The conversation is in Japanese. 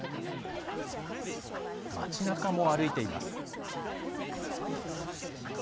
町なかも歩いています。